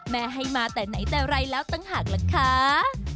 ให้มาแต่ไหนแต่ไรแล้วต่างหากล่ะคะ